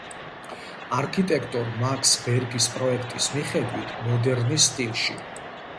არქიტექტორ მაქს ბერგის პროექტის მიხედვით, მოდერნის სტილში.